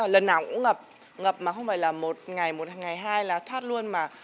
lần nào cũng ngập ngập mà không phải là một ngày một ngày hai là thoát luôn mà